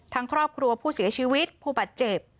ครอบครัวผู้เสียชีวิตผู้บาดเจ็บ